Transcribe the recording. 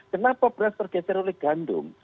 kenapa beras tergeser oleh gandum